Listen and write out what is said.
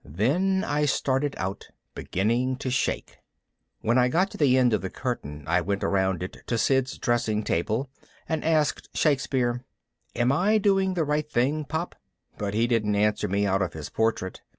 Then I started out, beginning to shake. When I got to the end of the curtain I went around it to Sid's dressing table and asked Shakespeare, "Am I doing the right thing, Pop?" But he didn't answer me out of his portrait.